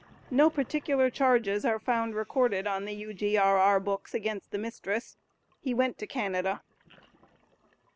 No particular charges are found recorded on the U.G.R.R. books against the mistress. He went to Canada.